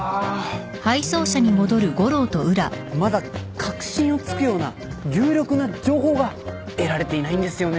まだ核心を突くような有力な情報が得られていないんですよね。